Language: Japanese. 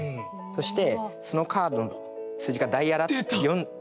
そしてそのカードの数字がダイヤの４とか。